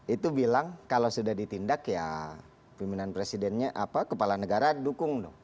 itu bilang kalau sudah ditindak ya pimpinan presidennya apa kepala negara dukung dong